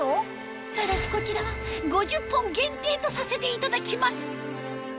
ただしこちらは５０本限定とさせていただきます